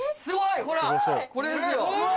すごいほらこれですよ。